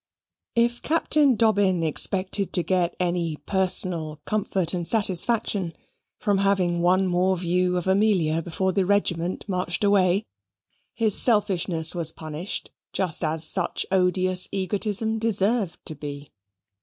If Captain Dobbin expected to get any personal comfort and satisfaction from having one more view of Amelia before the regiment marched away, his selfishness was punished just as such odious egotism deserved to be.